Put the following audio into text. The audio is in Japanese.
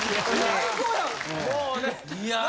最高やん。